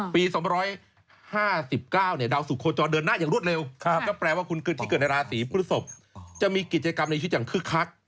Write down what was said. ปี๒๕๙ดาวสุกโคจรเดินหน้าอย่างรวดเร็วก็แปลว่าคุณที่เกิดในราศีพฤศพจะมีกิจกรรมในชีวิตอย่างคึกคัก